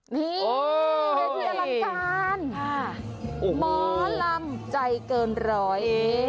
โอ้โฮโอ้โฮเด็กนักรัมการหมอลำใจเกินร้อย